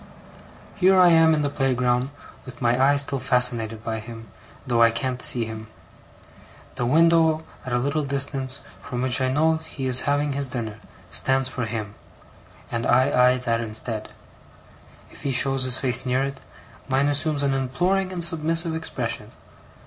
Here I am in the playground, with my eye still fascinated by him, though I can't see him. The window at a little distance from which I know he is having his dinner, stands for him, and I eye that instead. If he shows his face near it, mine assumes an imploring and submissive expression.